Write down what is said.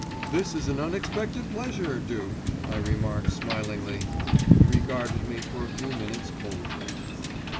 "This is an unexpected pleasure, Duke," I remarked smilingly. He regarded me for a few minutes coldly.